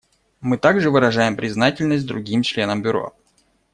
Мы также выражаем признательность другим членам Бюро.